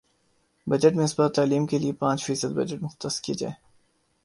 budget میں اس بار تعلیم کے لیے پانچ فیصد بجٹ مختص کیا جائے